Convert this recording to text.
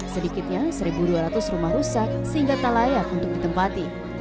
sedikitnya satu dua ratus rumah rusak sehingga tak layak untuk ditempati